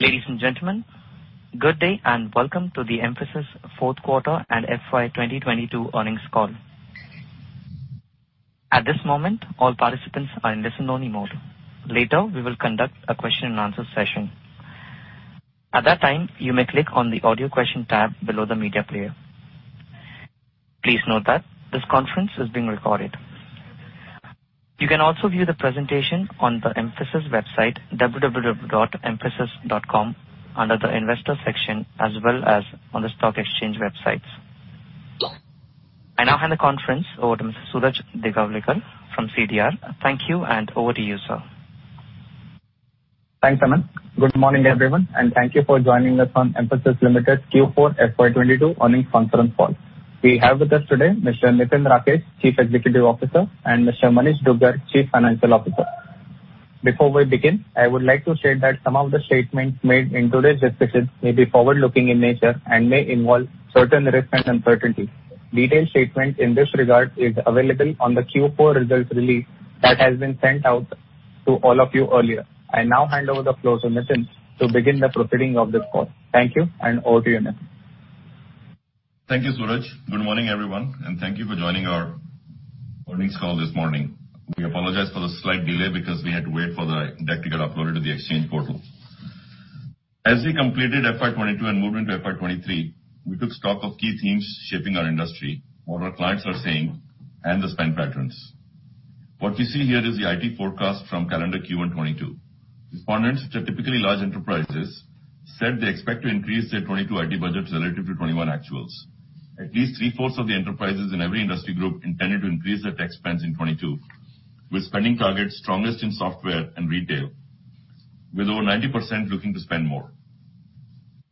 Ladies and gentlemen, good day and welcome to the Mphasis fourth quarter and FY 2022 earnings call. At this moment, all participants are in listen only mode. Later, we will conduct a question and answer session. At that time, you may click on the Audio Question tab below the media player. Please note that this conference is being recorded. You can also view the presentation on the Mphasis website www.mphasis.com under the investor section as well as on the stock exchange websites. I now hand the conference over to Suraj Degawalkar from CDR. Thank you and over to you, sir. Thanks, Aman. Good morning, everyone, and thank you for joining us on Mphasis Limited Q4 FY 2022 earnings conference call. We have with us today Mr. Nitin Rakesh, Chief Executive Officer, and Mr. Manish Dugar, Chief Financial Officer. Before we begin, I would like to state that some of the statements made in today's discussion may be forward-looking in nature and may involve certain risks and uncertainties. Detailed statement in this regard is available on the Q4 results release that has been sent out to all of you earlier. I now hand over the floor to Nitin to begin the proceeding of this call. Thank you and over to you, Nitin. Thank you, Suraj. Good morning, everyone, and thank you for joining our earnings call this morning. We apologize for the slight delay because we had to wait for the deck to get uploaded to the exchange portal. As we completed FY 2022 and moved into FY 2023, we took stock of key themes shaping our industry, what our clients are saying, and the spend patterns. What we see here is the IT forecast from calendar Q1 2022. Respondents, which are typically large enterprises, said they expect to increase their 2022 IT budgets relative to 2021 actuals. At least three-fourths of the enterprises in every industry group intended to increase their tech spends in 2022, with spending targets strongest in software and retail, with over 90% looking to spend more.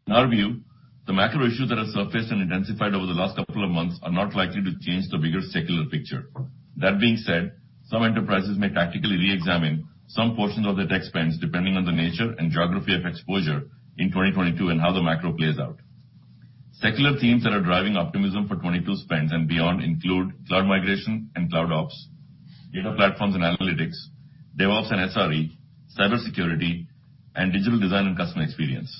In our view, the macro issues that have surfaced and intensified over the last couple of months are not likely to change the bigger secular picture. That being said, some enterprises may tactically reexamine some portions of their tech spends, depending on the nature and geography of exposure in 2022 and how the macro plays out. Secular themes that are driving optimism for 2022 spends and beyond include cloud migration and cloud ops, data platforms and analytics, DevOps and SRE, cybersecurity and digital design and customer experience.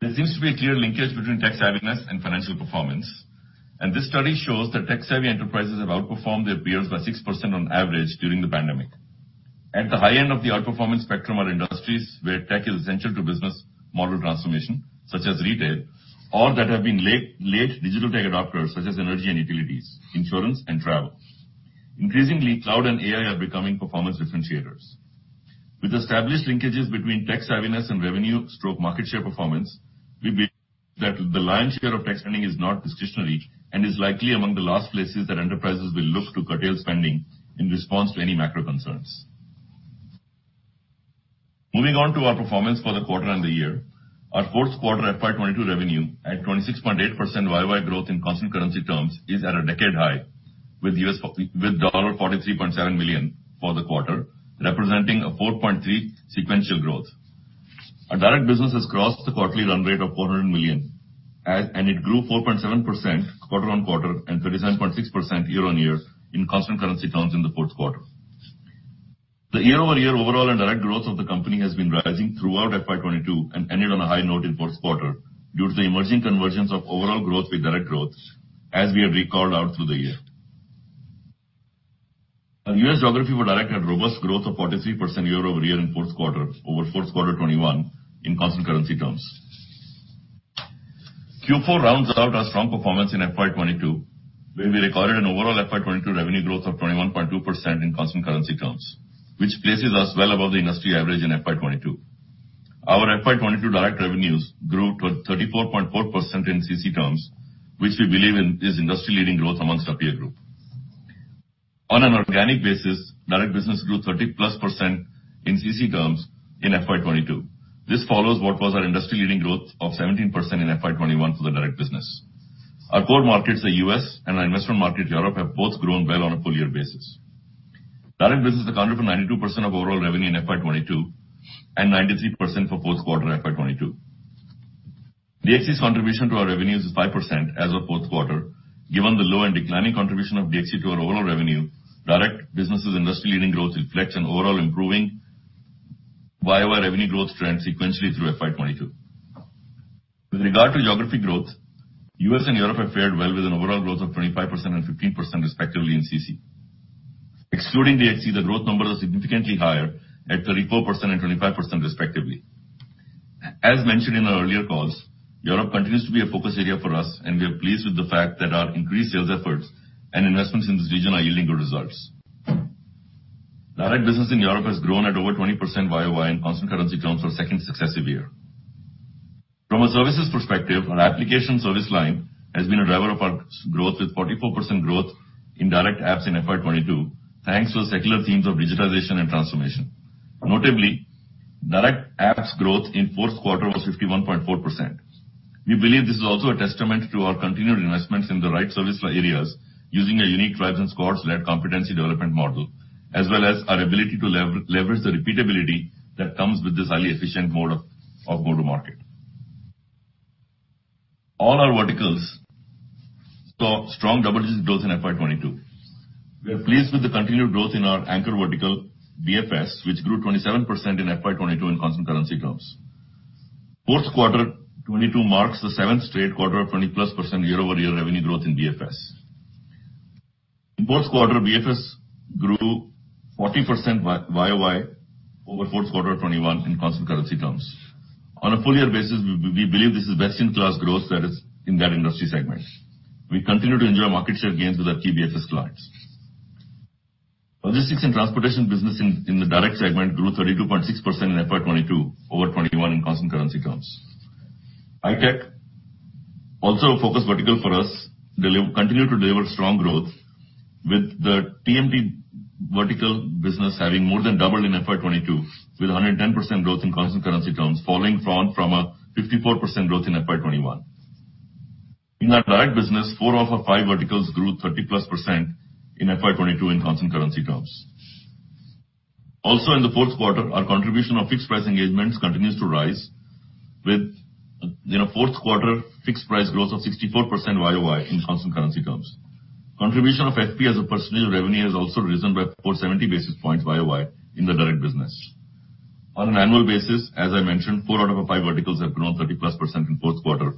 There seems to be a clear linkage between tech savviness and financial performance, and this study shows that tech-savvy enterprises have outperformed their peers by 6% on average during the pandemic. At the high end of the outperformance spectrum are industries where tech is essential to business model transformation, such as retail, or that have been late digital tech adopters such as energy and utilities, insurance and travel. Increasingly, cloud and AI are becoming performance differentiators. With established linkages between tech savviness and revenue/market share performance, we believe that the lion's share of tech spending is not discretionary and is likely among the last places that enterprises will look to curtail spending in response to any macro concerns. Moving on to our performance for the quarter and the year. Our fourth quarter FY 2022 revenue at 26.8% YOY growth in constant currency terms is at a decade high with dollar $43.7 million for the quarter, representing a 4.3% sequential growth. Our direct business has crossed the quarterly run rate of $400 million and it grew 4.7% quarter-on-quarter and 39.6% year-on-year in constant currency terms in the fourth quarter. The year-on-year overall and direct growth of the company has been rising throughout FY 2022 and ended on a high note in fourth quarter due to the emerging convergence of overall growth with direct growth as we have called out through the year. Our U.S. geography for direct had robust growth of 43% year-on-year in fourth quarter over fourth quarter 2021 in constant currency terms. Q4 rounds out our strong performance in FY 2022, where we recorded an overall FY 2022 revenue growth of 21.2% in constant currency terms, which places us well above the industry average in FY 2022. Our FY 2022 direct revenues grew to 34.4% in CC terms, which we believe is industry-leading growth among our peer group. On an organic basis, direct business grew 30+% in CC terms in FY 2022. This follows what was our industry-leading growth of 17% in FY 2021 for the direct business. Our core markets, the US and our investment market Europe, have both grown well on a full year basis. Direct business accounted for 92% of overall revenue in FY 2022 and 93% for fourth quarter FY 2022. DHC's contribution to our revenues is 5% as of fourth quarter. Given the low and declining contribution of DHC to our overall revenue, direct business' industry-leading growth reflects an overall improving YOY revenue growth trend sequentially through FY 2022. With regard to geography growth, U.S. and Europe have fared well with an overall growth of 25% and 15% respectively in CC. Excluding DHC, the growth numbers are significantly higher at 34% and 25% respectively. As mentioned in our earlier calls, Europe continues to be a focus area for us, and we are pleased with the fact that our increased sales efforts and investments in this region are yielding good results. Direct business in Europe has grown at over 20% YOY in constant currency terms for a second successive year. From a services perspective, our application service line has been a driver of our growth with 44% growth in direct apps in FY 2022, thanks to the secular themes of digitalization and transformation. Notably, direct apps growth in fourth quarter was 51.4%. We believe this is also a testament to our continued investments in the right service areas using a unique Tribes & Squads-led competency development model, as well as our ability to leverage the repeatability that comes with this highly efficient mode of go-to-market. All our verticals saw strong double-digit growth in FY 2022. We are pleased with the continued growth in our anchor vertical, BFS, which grew 27% in FY 2022 in constant currency terms. Fourth quarter 2022 marks the seventh straight quarter of 20+% year-over-year revenue growth in BFS. In fourth quarter, BFS grew 40% YOY over fourth quarter 2021 in constant currency terms. On a full year basis, we believe this is best-in-class growth that is in that industry segment. We continue to enjoy market share gains with our key BFS clients. Logistics and transportation business in the direct segment grew 32.6% in FY 2022 over 2021 in constant currency terms. Hi-Tech, also a focus vertical for us, continued to deliver strong growth with the TMT vertical business having more than doubled in FY 2022 with 110% growth in constant currency terms, following from a 54% growth in FY 2021. In our direct business, four of our five verticals grew 30+% in FY 2022 in constant currency terms. Also, in the fourth quarter, our contribution of fixed price engagements continues to rise with, you know, fourth quarter fixed price growth of 64% YOY in constant currency terms. Contribution of FP as a percentage of revenue has also risen by 470 basis points YOY in the direct business. On an annual basis, as I mentioned, four out of our five verticals have grown 30%+ in fourth quarter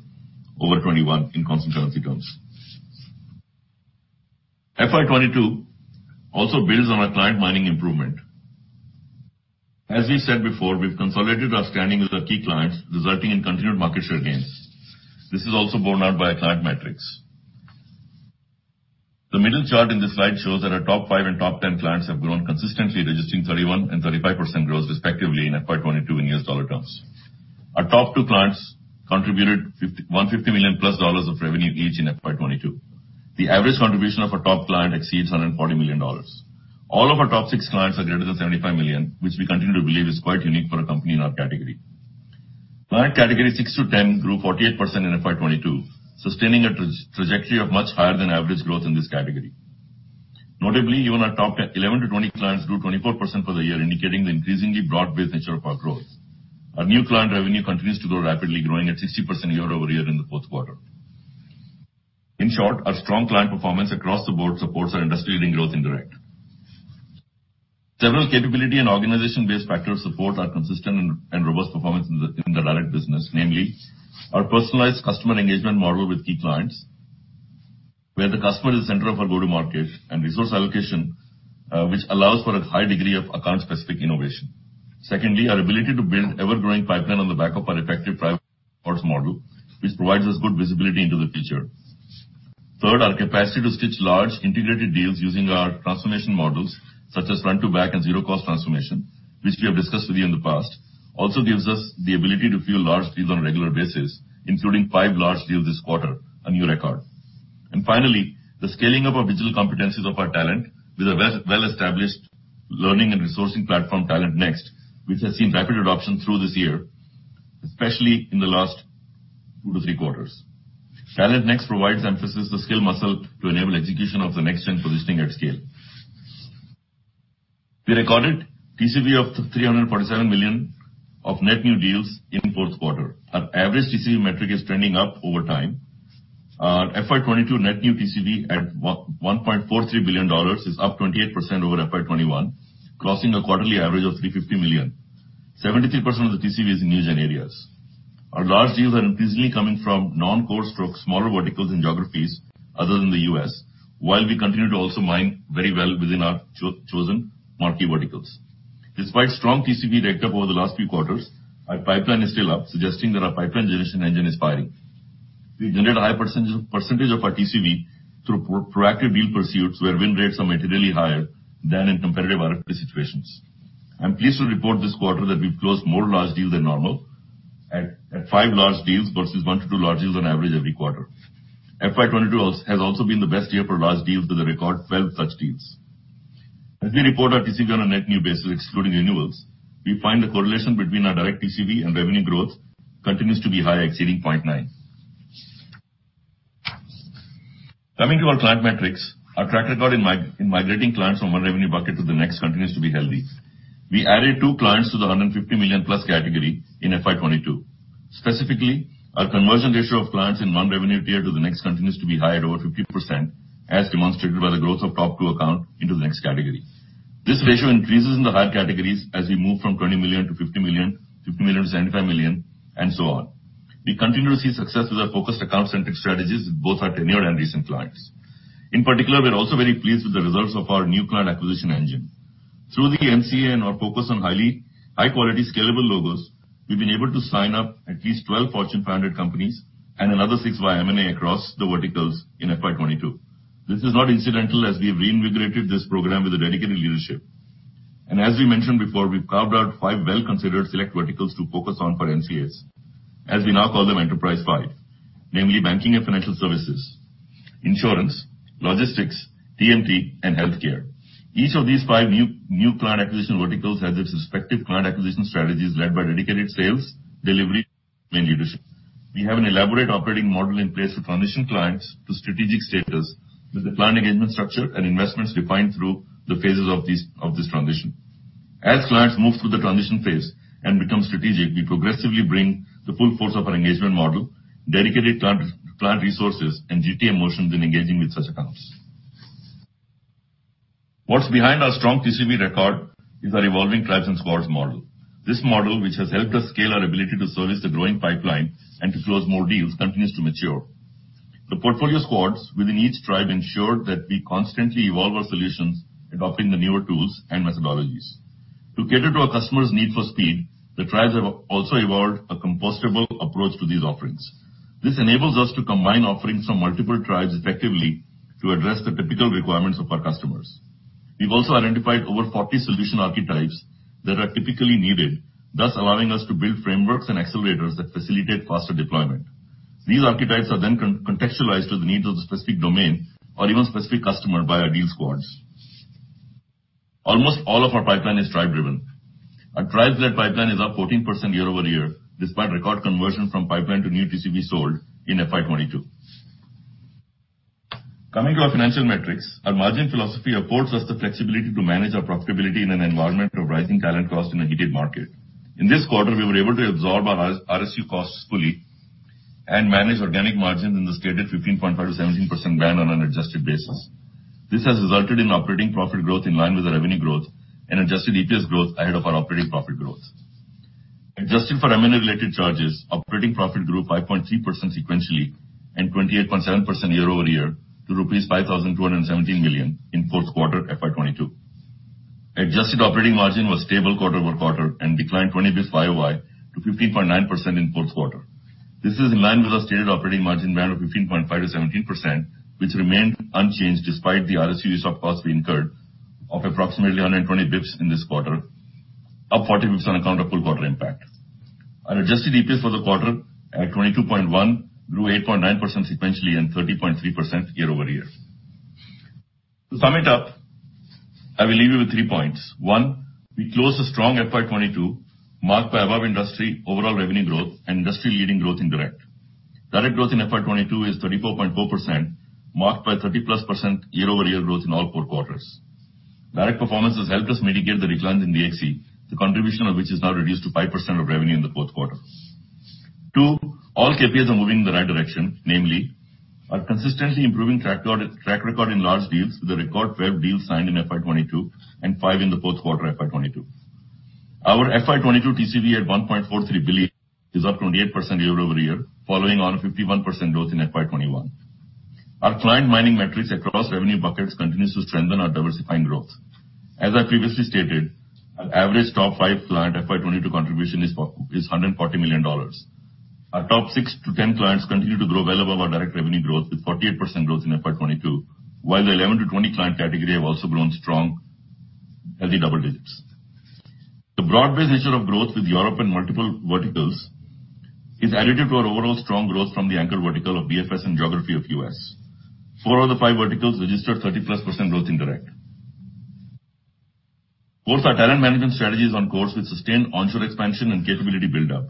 over 2021 in constant currency terms. FY 2022 also builds on our client mining improvement. As we said before, we've consolidated our standing with our key clients, resulting in continued market share gains. This is also borne out by our client metrics. The middle chart in this slide shows that our top five and top ten clients have grown consistently, registering 31% and 35% growth respectively in FY 2022 in US dollar terms. Our top two clients contributed $151 million+ of revenue each in FY 2022. The average contribution of our top client exceeds $140 million. All of our top six clients are greater than $75 million, which we continue to believe is quite unique for a company in our category. Client category 6-10 grew 48% in FY 2022, sustaining a trajectory of much higher than average growth in this category. Notably, even our top 11-20 clients grew 24% for the year, indicating the increasingly broad-based nature of our growth. Our new client revenue continues to grow rapidly, growing at 60% year-over-year in the fourth quarter. In short, our strong client performance across the board supports our industry-leading growth in direct. Several capability and organization-based factors support our consistent and robust performance in the direct business. Namely, our personalized customer engagement model with key clients, where the customer is the center of our go-to-market and resource allocation, which allows for a high degree of account-specific innovation. Secondly, our ability to build ever-growing pipeline on the back of our effective private model, which provides us good visibility into the future. Third, our capacity to stitch large integrated deals using our transformation models, such as Front2Back and Zero-based Cost Transformation, which we have discussed with you in the past, also gives us the ability to fuel large deals on a regular basis, including 5 large deals this quarter, a new record. Finally, the scaling of our digital competencies of our talent with a well-established learning and resourcing platform, TalentNext, which has seen rapid adoption through this year, especially in the last 2-3 quarters. TalentNext provides Mphasis to skill muscle to enable execution of the next-gen positioning at scale. We recorded TCV of $347 million of net new deals in fourth quarter. Our average TCV metric is trending up over time. Our FY 2022 net new TCV at $1.43 billion is up 28% over FY 2021, crossing a quarterly average of $350 million. 73% of the TCV is in new-gen areas. Our large deals are increasingly coming from non-core sectors, smaller verticals and geographies other than the US, while we continue to also mine very well within our chosen marquee verticals. Despite strong TCV ramp up over the last few quarters, our pipeline is still up, suggesting that our pipeline generation engine is firing. We generate a high percentage of our TCV through proactive deal pursuits, where win rates are materially higher than in competitive RFP situations. I'm pleased to report this quarter that we've closed more large deals than normal at 5 large deals versus 1-2 large deals on average every quarter. FY 2022 also has been the best year for large deals with a record 12 such deals. As we report our TCV on a net new basis excluding renewals, we find the correlation between our direct TCV and revenue growth continues to be high, exceeding 0.9. Coming to our client metrics, our track record in migrating clients from one revenue bucket to the next continues to be healthy. We added two clients to the $150 million-plus category in FY 2022. Specifically, our conversion ratio of clients in one revenue tier to the next continues to be high at over 50%, as demonstrated by the growth of top two accounts into the next category. This ratio increases in the higher categories as we move from $20 million to $50 million, $50 million to $75 million, and so on. We continue to see success with our focused account-centric strategies with both our tenured and recent clients. In particular, we are also very pleased with the results of our new client acquisition engine. Through the NCA and our focus on high-quality scalable logos, we've been able to sign up at least 12 Fortune 500 companies and another 6 via M&A across the verticals in FY 2022. This is not incidental as we have reinvigorated this program with a dedicated leadership. As we mentioned before, we've carved out five well-considered select verticals to focus on for NCAs. As we now call them Enterprise five, namely banking and financial services, insurance, logistics, TMT, and healthcare. Each of these five new client acquisition verticals has its respective client acquisition strategies led by dedicated sales, delivery, and leadership. We have an elaborate operating model in place to transition clients to strategic status with the client engagement structure and investments defined through the phases of this transition. As clients move through the transition phase and become strategic, we progressively bring the full force of our engagement model, dedicated client resources, and go-to-market motions in engaging with such accounts. What's behind our strong TCV record is our evolving Tribes & Squads model. This model, which has helped us scale our ability to service the growing pipeline and to close more deals, continues to mature. The portfolio squads within each tribe ensure that we constantly evolve our solutions and offering the newer tools and methodologies. To cater to our customers' need for speed, the tribes have also evolved a composable approach to these offerings. This enables us to combine offerings from multiple tribes effectively to address the typical requirements of our customers. We've also identified over 40 solution archetypes that are typically needed, thus allowing us to build frameworks and accelerators that facilitate faster deployment. These archetypes are then contextualized to the needs of the specific domain or even specific customer by our deal squads. Almost all of our pipeline is tribe-driven. Our tribes-led pipeline is up 14% year-over-year, despite record conversion from pipeline to new TCV sold in FY 2022. Coming to our financial metrics, our margin philosophy affords us the flexibility to manage our profitability in an environment of rising talent costs in a heated market. In this quarter, we were able to absorb our RSU costs fully and manage organic margins in the stated 15.5%-17% band on an adjusted basis. This has resulted in operating profit growth in line with the revenue growth and adjusted EPS growth ahead of our operating profit growth. Adjusted for M&A-related charges, operating profit grew 5.3% sequentially and 28.7% year-over-year to rupees 5,217 million in fourth quarter FY 2022. Adjusted operating margin was stable quarter-over-quarter and declined 20 basis-points year-over-year to 15.9% in fourth quarter. This is in line with our stated operating margin band of 15.5%-17%, which remained unchanged despite the RSU stock costs we incurred of approximately 100 basis points in this quarter, up 40 basis points on account of full quarter impact. Our adjusted EPS for the quarter at 22.1 grew 8.9% sequentially and 30.3% year-over-year. To sum it up, I will leave you with three points. One, we closed a strong FY 2022 marked by above industry overall revenue growth and industry-leading growth in direct. Direct growth in FY 2022 is 34.4%, marked by 30+% year-over-year growth in all four quarters. Direct performance has helped us mitigate the declines in DXC, the contribution of which is now reduced to 5% of revenue in the fourth quarter. Two, all KPIs are moving in the right direction, namely our consistently improving track record in large deals with a record 12 deals signed in FY 2022 and 5 in the fourth quarter FY 2022. Our FY 2022 TCV at $1.43 billion is up 28% year-over-year, following on a 51% growth in FY 2021. Our client mining metrics across revenue buckets continues to strengthen our diversifying growth. As I previously stated, our average top five client FY 2022 contribution is $140 million. Our top six to ten clients continue to grow well above our direct revenue growth, with 48% growth in FY 2022, while the 11 to 20 client category have also grown strong, healthy double digits. The broad-based nature of growth with Europe and multiple verticals is additive to our overall strong growth from the anchor vertical of BFS and geography of US. 4 of the 5 verticals registered 30+% growth in direct. Fourth, our talent management strategy is on course with sustained onshore expansion and capability buildup.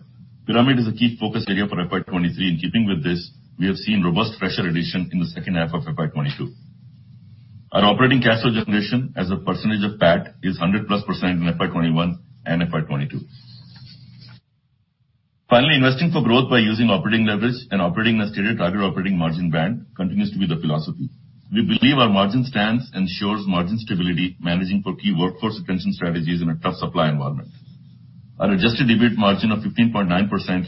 Pyramid is a key focus area for FY 2023. In keeping with this, we have seen robust fresher addition in the second half of FY 2022. Our operating cash flow generation as a percentage of PAT is 100+% in FY 2021 and FY 2022. Finally, investing for growth by using operating leverage and operating in a stated target operating margin band continues to be the philosophy. We believe our margin stance ensures margin stability, managing for key workforce retention strategies in a tough supply environment. Our adjusted EBIT margin of 15.9%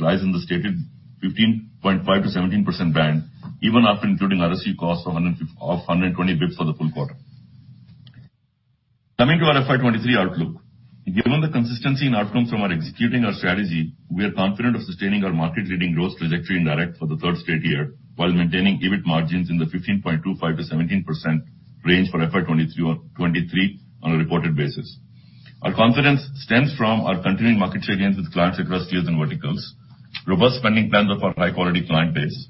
lies in the stated 15.5%-17% band, even after including RSU costs of 120 basis points for the full quarter. Coming to our FY 2023 outlook. Given the consistency in outcomes from our executing our strategy, we are confident of sustaining our market-leading growth trajectory indeed for the third straight year while maintaining EBIT margins in the 15.25%-17% range for FY 2023 or 2023 on a reported basis. Our confidence stems from our continuing market share gains with clients across tiers and verticals, robust spending plans of our high-quality client base,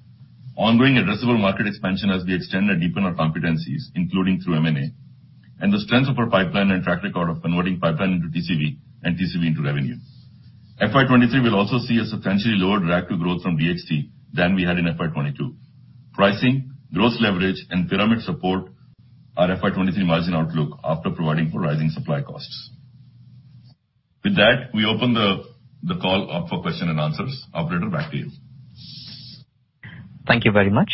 ongoing addressable market expansion as we extend and deepen our competencies, including through M&A, and the strength of our pipeline and track record of converting pipeline into TCV and TCV into revenue. FY 2023 will also see a substantially lower drag to growth from DHC than we had in FY 2022. Pricing, growth leverage, and pyramid support our FY 2023 margin outlook after providing for rising supply costs. With that, we open the call up for question and answers. Operator, back to you. Thank you very much.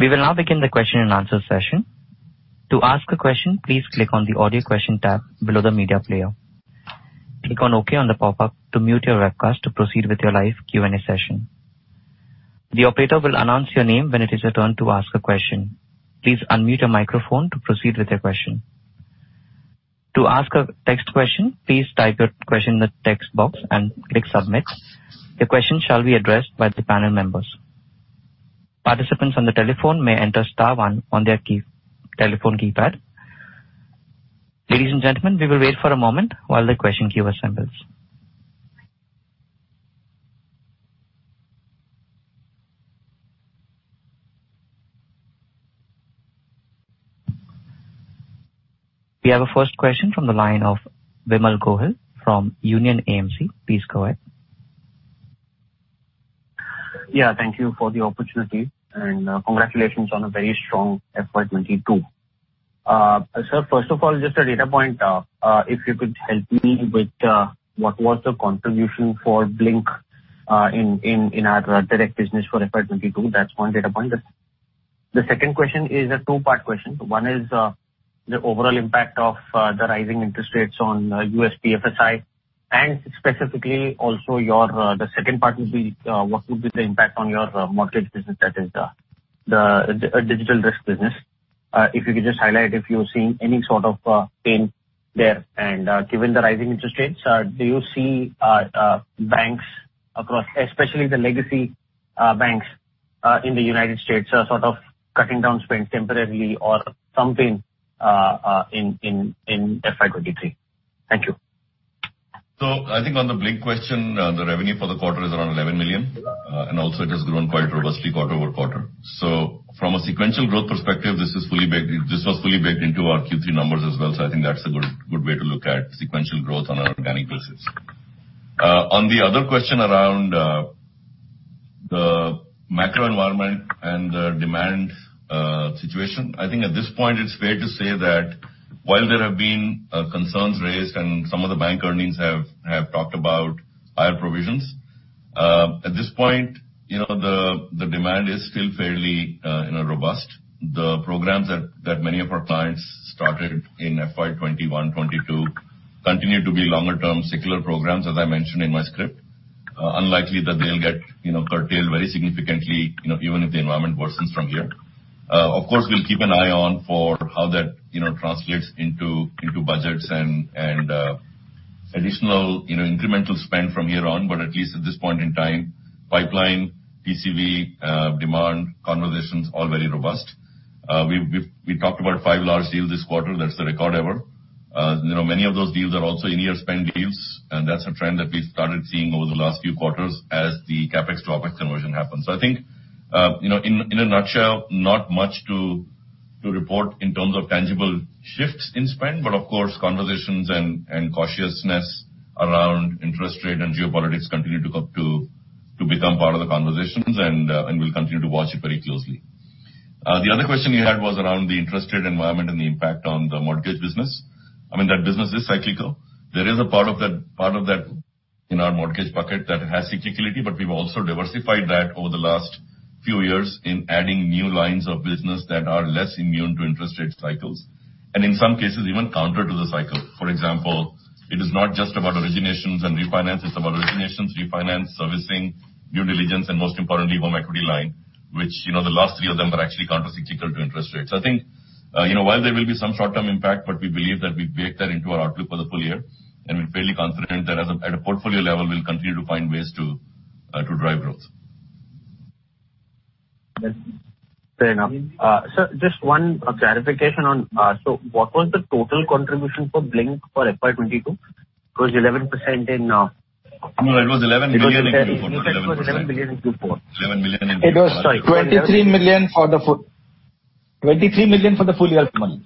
We will now begin the question and answer session. To ask a question, please click on the Audio Question tab below the media player. Click on Okay on the popup to mute your webcast to proceed with your live Q&A session. The operator will announce your name when it is your turn to ask a question. Please unmute your microphone to proceed with your question. To ask a text question, please type your question in the text box and click Submit. The question shall be addressed by the panel members. Participants on the telephone may enter star one on their telephone keypad. Ladies and gentlemen, we will wait for a moment while the question queue assembles. We have a first question from the line of Vimal Gohil from Union AMC. Please go ahead. Yeah, thank you for the opportunity and, congratulations on a very strong FY 2022. Sir, first of all, just a data point. If you could help me with what was the contribution for Blink in our direct business for FY 2022. That's one data point. The second question is a two-part question. One is the overall impact of the rising interest rates on US BFSI and specifically also your, the second part will be what will be the impact on your mortgage business that is the Digital Risk business. If you could just highlight if you're seeing any sort of pain there. Given the rising interest rates, do you see banks across, especially the legacy banks in the United States, sort of cutting down spend temporarily or some pain in FY 2023? Thank you. I think on the Blink question, the revenue for the quarter is around $11 million, and also it has grown quite robustly quarter-over-quarter. From a sequential growth perspective, this is fully baked this was fully baked into our Q3 numbers as well, so I think that's a good way to look at sequential growth on an organic basis. On the other question around the macro environment and the demand situation, I think at this point it's fair to say that while there have been concerns raised and some of the bank earnings have talked about higher provisions, at this point, you know, the demand is still fairly, you know, robust. The programs that many of our clients started in FY 2021-2022 continue to be longer term secular programs, as I mentioned in my script. Unlikely that they'll get, you know, curtailed very significantly, you know, even if the environment worsens from here. Of course, we'll keep an eye on for how that, you know, translates into budgets and additional, you know, incremental spend from here on, but at least at this point in time, pipeline, TCV, demand conversations all very robust. We talked about 5 large deals this quarter. That's the record ever. You know, many of those deals are also in-year spend deals, and that's a trend that we started seeing over the last few quarters as the CapEx to OpEx conversion happens. I think, you know, in a nutshell, not much to report in terms of tangible shifts in spend, but of course, conversations and cautiousness around interest rate and geopolitics continue to become part of the conversations, and we'll continue to watch it very closely. The other question you had was around the interest rate environment and the impact on the mortgage business. I mean, that business is cyclical. There is a part of that in our mortgage bucket that has cyclicality, but we've also diversified that over the last few years in adding new lines of business that are less immune to interest rate cycles, and in some cases, even counter to the cycle. For example, it is not just about originations and refinance, it's about originations, refinance, servicing, due diligence, and most importantly, home equity line, which, you know, the last three of them are actually countercyclical to interest rates. I think, you know, while there will be some short-term impact, but we believe that we've baked that into our outlook for the full year, and we're fairly confident that as a, at a portfolio level, we'll continue to find ways to drive growth. Fair enough. Sir, just one clarification on so what was the total contribution for Blink for FY 2022? It was 11% in, No, it was $11 billion in Q4. It was $11 billion in Q4. $11 billion in Q4. It was 23 million for the full year, Suman.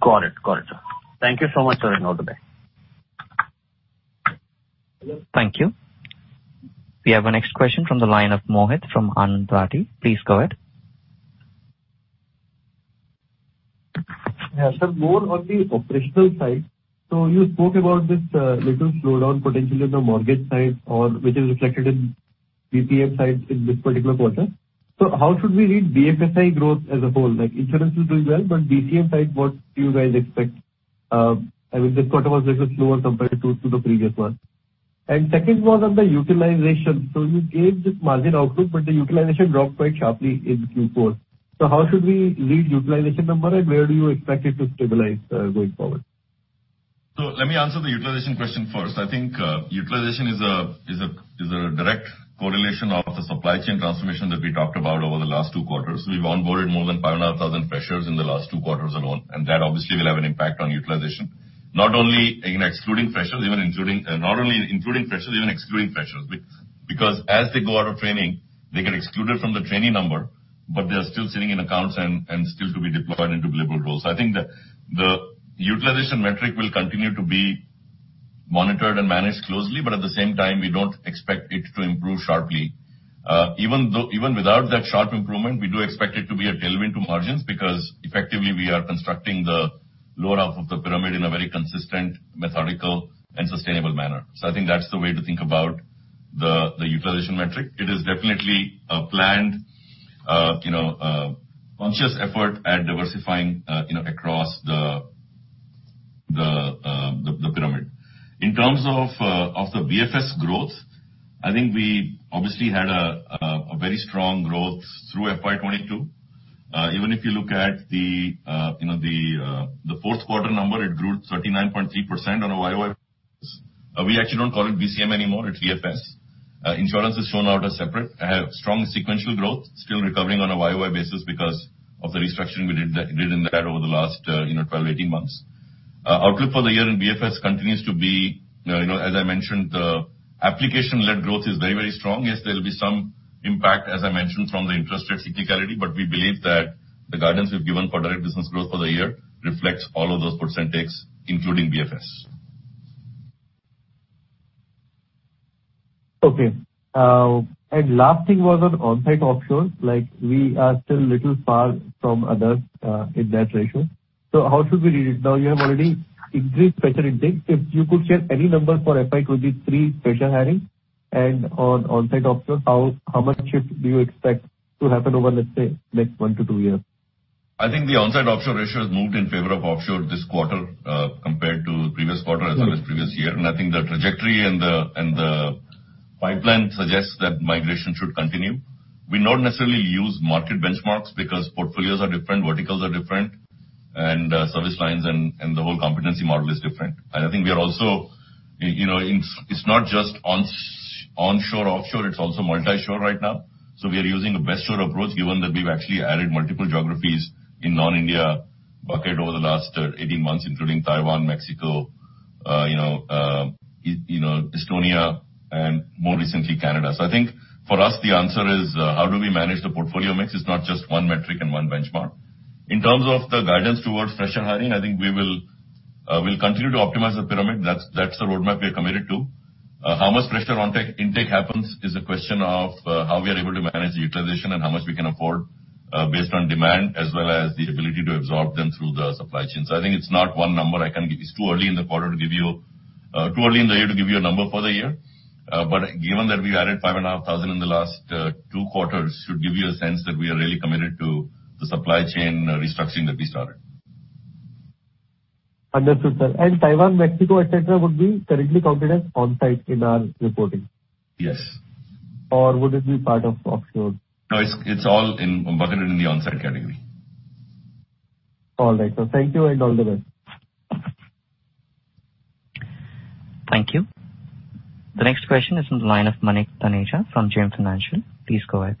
Got it, sir. Thank you so much, sir, and have a good day. Thank you. We have our next question from the line of Mohit from Anand Rathi. Please go ahead. Yeah. More on the operational side. You spoke about this little slowdown potentially on the mortgage side or which is reflected in BFS side in this particular quarter. How should we read BFSI growth as a whole? Like, insurance is doing well, but BFS side, what do you guys expect? I mean, this quarter was a little slower compared to the previous one. Second was on the utilization. You gave this margin outlook, but the utilization dropped quite sharply in Q4. How should we read utilization number, and where do you expect it to stabilize going forward? Let me answer the utilization question first. I think utilization is a direct correlation of the supply chain transformation that we talked about over the last two quarters. We've onboarded more than 5,500 freshers in the last two quarters alone, and that obviously will have an impact on utilization. Not only including freshers, even excluding freshers. Because as they go out of training, they get excluded from the trainee number, but they are still sitting in accounts and still to be deployed into billable roles. I think the utilization metric will continue to be monitored and managed closely, but at the same time, we don't expect it to improve sharply. Even though, even without that sharp improvement, we do expect it to be a tailwind to margins because effectively we are constructing the lower half of the pyramid in a very consistent, methodical and sustainable manner. I think that's the way to think about the utilization metric. It is definitely a planned conscious effort at diversifying across the pyramid. In terms of the BFS growth, I think we obviously had a very strong growth through FY 2022. Even if you look at the fourth quarter number, it grew 39.3% on a YOY basis. We actually don't call it BFS anymore, it's BFSI. Insurance is shown out as separate. Strong sequential growth, still recovering on a YOY basis because of the restructuring we did in that over the last 12-18 months. Outlook for the year in BFS continues to be, you know, as I mentioned, the application-led growth is very, very strong. Yes, there'll be some impact, as I mentioned, from the interest rate cyclicality, but we believe that the guidance we've given for direct business growth for the year reflects all of those percentages, including BFS. Okay. Last thing was on onsite offshore, like we are still a little far from others in that ratio. How should we read it? Now you have already increased fresher intake. If you could share any number for FY 2023 fresher hiring and onsite offshore, how much shift do you expect to happen over, let's say, next 1 to 2 years? I think the onsite offshore ratio has moved in favor of offshore this quarter, compared to previous quarter as well as previous year. I think the trajectory and the pipeline suggests that migration should continue. We not necessarily use market benchmarks because portfolios are different, verticals are different, service lines and the whole competency model is different. I think we are also. You know, it's not just onshore, offshore, it's also multi-shore right now. We are using a best shore approach, given that we've actually added multiple geographies in non-India bucket over the last eighteen months, including Taiwan, Mexico, you know, Estonia, and more recently Canada. I think for us, the answer is, how do we manage the portfolio mix? It's not just one metric and one benchmark. In terms of the guidance towards fresher hiring, I think we will, we'll continue to optimize the pyramid. That's the roadmap we are committed to. How much fresher intake happens is a question of, how we are able to manage utilization and how much we can afford, based on demand as well as the ability to absorb them through the supply chain. I think it's not one number I can give you. It's too early in the quarter to give you, too early in the year to give you a number for the year. But given that we added 5,500 in the last, two quarters should give you a sense that we are really committed to the supply chain restructuring that we started. Understood, sir. Taiwan, Mexico, et cetera, would be currently counted as onsite in our reporting? Yes. Would it be part of offshore? No, it's all in, bucketed in the onsite category. All right, sir. Thank you and all the best. Thank you. The next question is from the line of Manik Taneja from JM Financial. Please go ahead.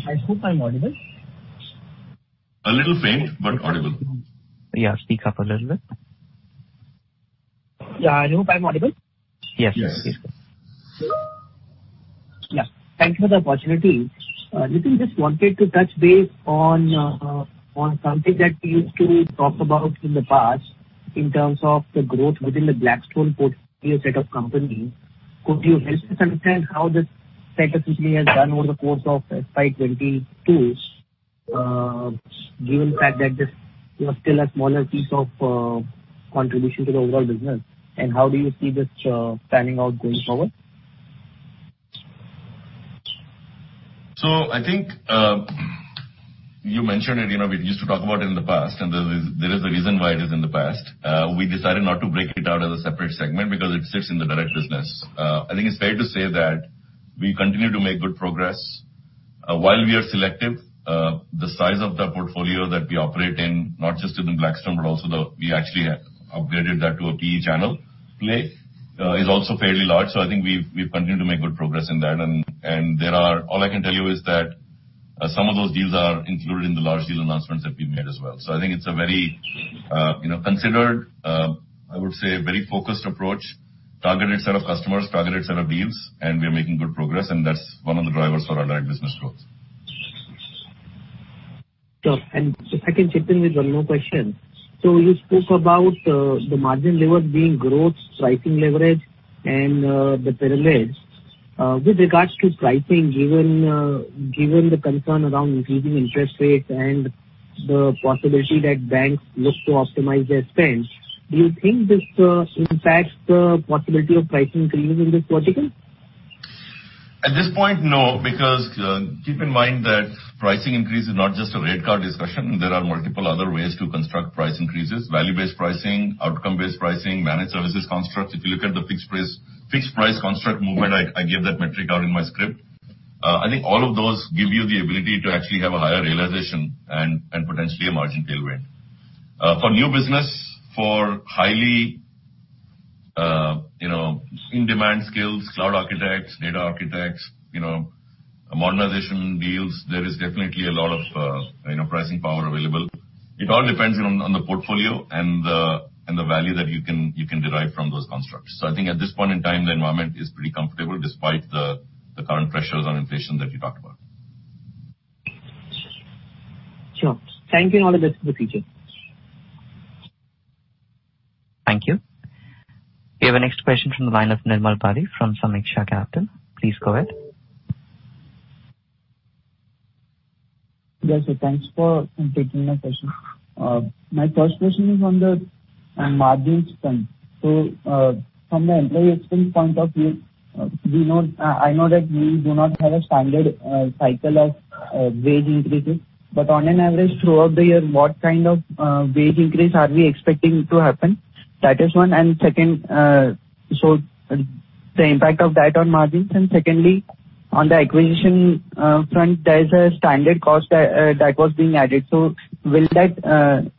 I hope I'm audible. A little faint, but audible. Yeah, speak up a little bit. Yeah. I hope I'm audible. Yes. Yes. Yeah. Thank you for the opportunity. Nitin, just wanted to touch base on something that we used to talk about in the past in terms of the growth within the Blackstone portfolio set of companies. Could you help me understand how this set of company has done over the course of FY 2022, given fact that this is still a smaller piece of contribution to the overall business? How do you see this panning out going forward? I think you mentioned it, you know, we used to talk about it in the past, and there is a reason why it is in the past. We decided not to break it out as a separate segment because it sits in the direct business. I think it's fair to say that we continue to make good progress. While we are selective, the size of the portfolio that we operate in, not just within Blackstone, but also we actually upgraded that to a PE channel play, is also fairly large. I think we continue to make good progress in that. All I can tell you is that some of those deals are included in the large deal announcements that we made as well. I think it's a very, you know, considered, I would say a very focused approach, targeted set of customers, targeted set of deals, and we are making good progress, and that's one of the drivers for our direct business growth. Sure. If I can chip in with one more question. You spoke about the margin levers being growth, pricing leverage and the payroll edge. With regards to pricing, given the concern around increasing interest rates and the possibility that banks look to optimize their spends, do you think this impacts the possibility of price increase in this vertical? At this point, no, because keep in mind that pricing increase is not just a rate card discussion. There are multiple other ways to construct price increases, value-based pricing, outcome-based pricing, managed services construct. If you look at the fixed price, fixed price construct movement, I gave that metric out in my script. I think all of those give you the ability to actually have a higher realization and potentially a margin tailwind. For new business, for highly you know in-demand skills, cloud architects, data architects, you know modernization deals, there is definitely a lot of you know pricing power available. It all depends on the portfolio and the value that you can derive from those constructs. I think at this point in time, the environment is pretty comfortable despite the current pressures on inflation that you talked about. Sure. Thank you and all the best for the future. Thank you. We have our next question from the line of Nirmal Pali from Sameeksha Capital. Please go ahead. Yes, sir. Thanks for taking my question. My first question is on the margins front. From the employee expense point of view, we know I know that we do not have a standard cycle of wage increases. On an average throughout the year, what kind of wage increase are we expecting to happen? That is one. Second, the impact of that on margins. Secondly, on the acquisition front, there is a standard cost that was being added. Will that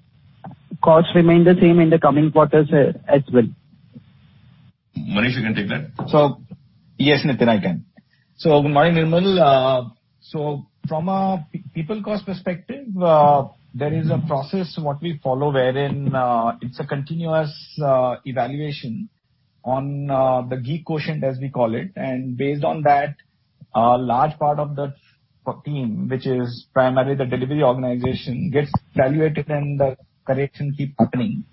cost remain the same in the coming quarters as well? Manish Dugar, you can take that. Yes, Nitin, I can. Good morning, Nirmal. From a people cost perspective, there is a process what we follow wherein, it's a continuous evaluation on the Geek Quotient as we call it, and based on that, a large part of the team, which is primarily the delivery organization, gets evaluated and the correction keeps happening.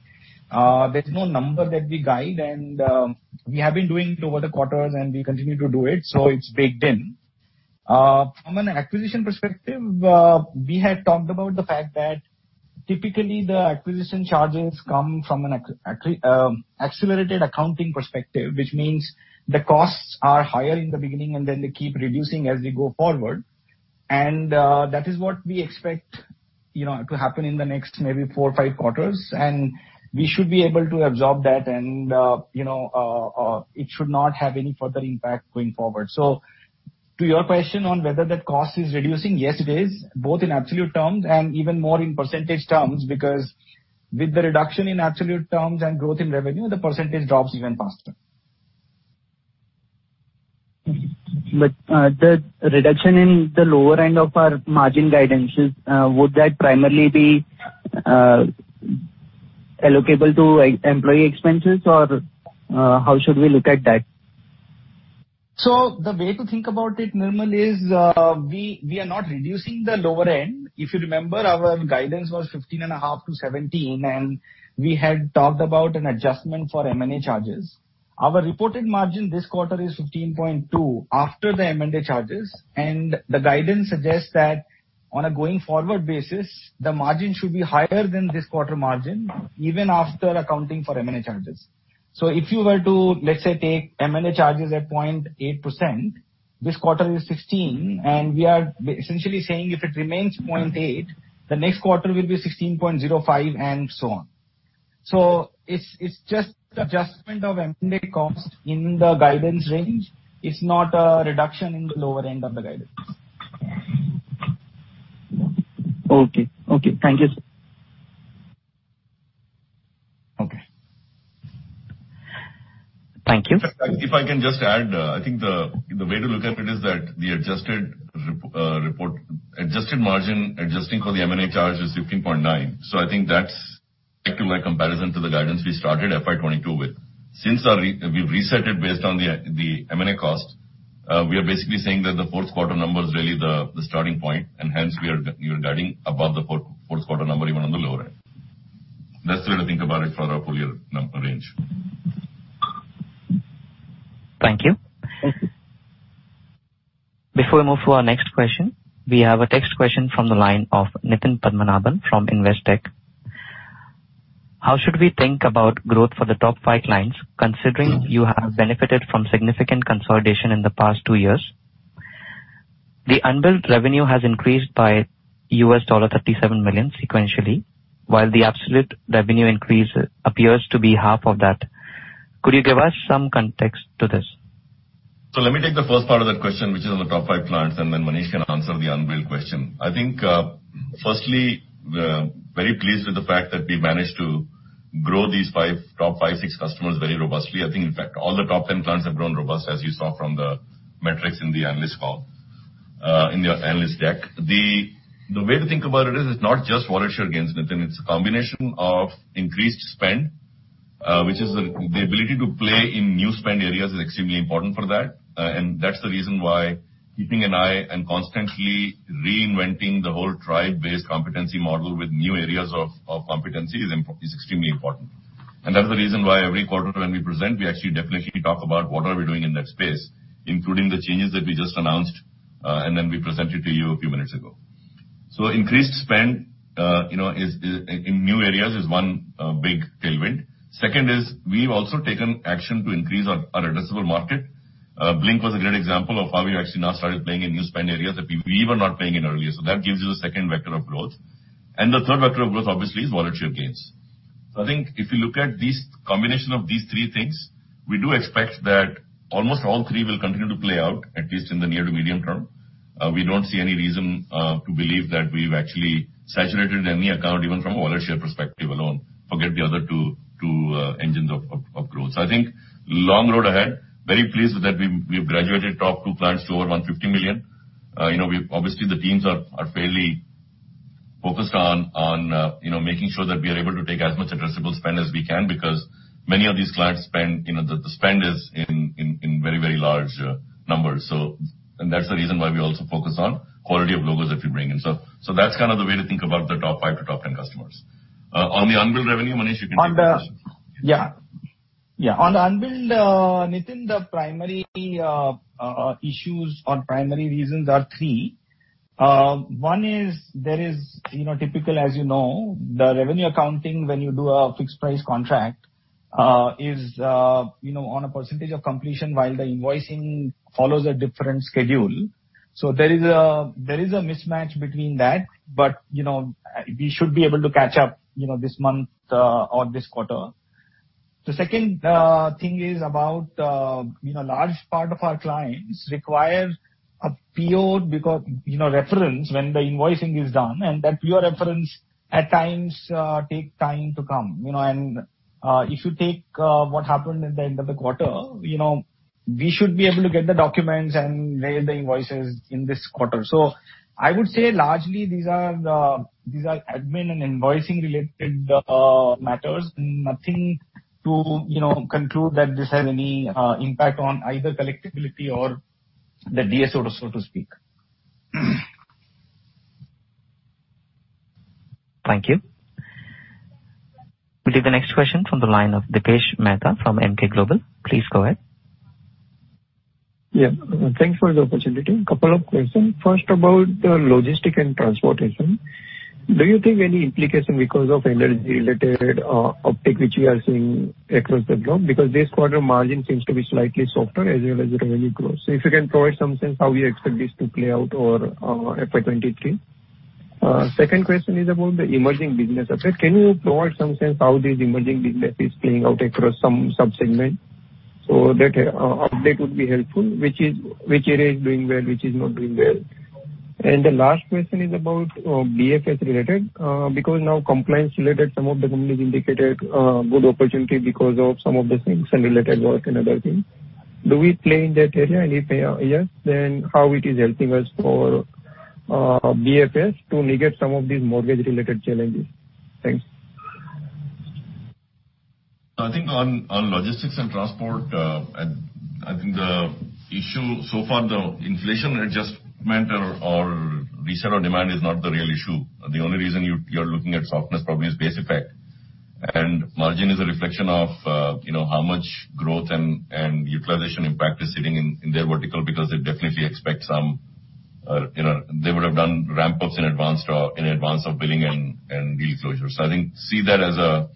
There's no number that we guide and we have been doing it over the quarters and we continue to do it, so it's baked in. From an acquisition perspective, we had talked about the fact that typically the acquisition charges come from an accelerated accounting perspective, which means the costs are higher in the beginning and then they keep reducing as we go forward. That is what we expect, you know, to happen in the next maybe four or five quarters. We should be able to absorb that and, you know, it should not have any further impact going forward. To your question on whether the cost is reducing, yes, it is, both in absolute terms and even more in percentage terms, because with the reduction in absolute terms and growth in revenue, the percentage drops even faster. The reduction in the lower end of our margin guidance, would that primarily be allocable to employee expenses or how should we look at that? The way to think about it, Nirmal, is we are not reducing the lower end. If you remember, our guidance was 15.5%-17%, and we had talked about an adjustment for M&A charges. Our reported margin this quarter is 15.2% after the M&A charges, and the guidance suggests that on a going forward basis, the margin should be higher than this quarter margin even after accounting for M&A charges. If you were to, let's say, take M&A charges at 0.8%, this quarter is 16%, and we are essentially saying if it remains 0.8%, the next quarter will be 16.05% and so on. It's just adjustment of M&A cost in the guidance range. It's not a reduction in the lower end of the guidance. Okay. Thank you, sir. Okay. Thank you. If I can just add, I think the way to look at it is that the adjusted reported margin, adjusting for the M&A charge is 15.9%. I think that's actually my comparison to the guidance we started FY 2022 with. Since we've reset it based on the M&A cost, we are basically saying that the fourth quarter number is really the starting point and hence we are guiding above the fourth quarter number even on the lower end. That's the way to think about it for our full year range. Thank you. Thank you. Before we move to our next question, we have a text question from the line of Nitin Padmanabhan from Investec. How should we think about growth for the top five clients, considering you have benefited from significant consolidation in the past two years? The unbilled revenue has increased by $37 million sequentially, while the absolute revenue increase appears to be half of that. Could you give us some context to this? Let me take the first part of that question, which is on the top five clients, and then Manish can answer the unbilled question. I think, firstly, we're very pleased with the fact that we managed to grow these five, top five, six customers very robustly. I think, in fact, all the top ten clients have grown robustly, as you saw from the metrics in the analyst call, in your analyst deck. The way to think about it is it's not just wallet share gains, Nitin. It's a combination of increased spend, which is the ability to play in new spend areas is extremely important for that. And that's the reason why keeping an eye and constantly reinventing the whole tribe-based competency model with new areas of competency is extremely important. That's the reason why every quarter when we present, we actually definitely talk about what are we doing in that space, including the changes that we just announced, and then we presented to you a few minutes ago. Increased spend, you know, is in new areas is one big tailwind. Second is we've also taken action to increase our addressable market. Blink was a great example of how we actually now started playing in new spend areas that we were not playing in earlier. That gives you the second vector of growth. The third vector of growth obviously is wallet share gains. I think if you look at these combination of these three things, we do expect that almost all three will continue to play out, at least in the near to medium term. We don't see any reason to believe that we've actually saturated any account, even from a wallet share perspective alone. Forget the other two engines of growth. I think long road ahead, very pleased with that we've graduated top 2 clients to over $150 million. You know, we've obviously the teams are fairly focused on making sure that we are able to take as much addressable spend as we can because many of these clients spend, you know, the spend is in very large numbers. That's the reason why we also focus on quality of logos that we bring in. That's kind of the way to think about the top 5 to top 10 customers. On the unbilled revenue, Manish, you can take that question. On the unbilled, Nitin, the primary issues or primary reasons are three. One is there is, you know, typical as you know, the revenue accounting when you do a fixed price contract, is, you know, on a percentage of completion while the invoicing follows a different schedule. So there is a mismatch between that, but, you know, we should be able to catch up, you know, this month, or this quarter. The second thing is about, you know, large part of our clients require a PO, you know, reference when the invoicing is done, and that PO reference at times take time to come, you know. If you take what happened at the end of the quarter, you know. We should be able to get the documents and raise the invoices in this quarter. I would say largely these are admin and invoicing related matters. Nothing to, you know, conclude that this has any impact on either collectibility or the DSO, so to speak. Thank you. We'll take the next question from the line of Dipesh Mehta from Emkay Global. Please go ahead. Yeah. Thanks for the opportunity. A couple of questions. First, about the logistics and transportation. Do you think any implication because of energy-related uptick which we are seeing across the globe? Because this quarter margin seems to be slightly softer as well as the revenue growth. If you can provide some sense how you expect this to play out for FY 2023. Second question is about the emerging business. Can you provide some sense how this emerging business is playing out across some sub-segments? That update would be helpful. Which area is doing well, which is not doing well? The last question is about BFS-related. Because now compliance-related, some of the companies indicated good opportunity because of some of the things and related work and other things. Do we play in that area? If yes, then how is it helping us for BFS to negate some of these mortgage-related challenges? Thanks. I think on logistics and transport, I think the issue so far, the inflation adjustment or resale demand is not the real issue. The only reason you're looking at softness probably is base effect. Margin is a reflection of, you know, how much growth and utilization impact is sitting in their vertical because they definitely expect some, you know, they would have done ramp ups in advance or in advance of billing and deal closure. I think see that as a